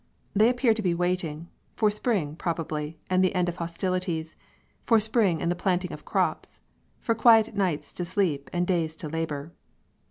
They appear to be waiting for spring, probably, and the end of hostilities; for spring and the planting of crops, for quiet nights to sleep and days to labour.